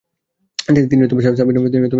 তিনি সাবির নামে বিখ্যাত হয়েছিলেন।